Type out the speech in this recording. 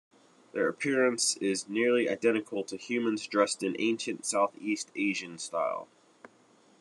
Their appearance is nearly identical to humans dressed in ancient Southeast Asian style.